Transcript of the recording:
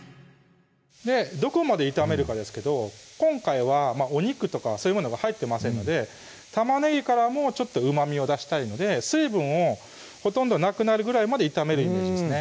どこまで炒めるかですけど今回はお肉とかそういうものが入ってませんので玉ねぎからもちょっとうまみを出したいので水分をなくなるぐらいまで炒めるイメージですね